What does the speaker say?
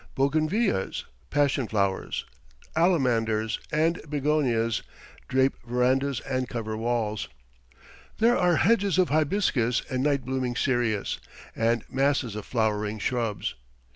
Bougainvilleas, passion flowers, alamanders and bignonias drape verandas and cover walls. There are hedges of hibiscus and night blooming cereus, and masses of flowering shrubs.